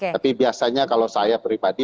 tapi biasanya kalau saya pribadi